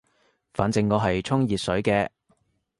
反正我係沖熱水嘅